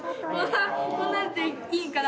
こんなんでいいんかな？